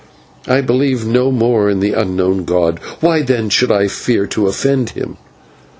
I believe no more in this unknown god; why, then, should I fear to offend him?